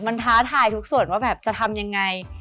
มันท้าทายทุกส่วนว่าแบบจะทำยังไง